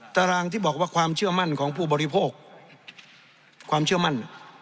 ตารางที่บอกว่าความเชื่อมั่นของผู้บริโภคความเชื่อมั่น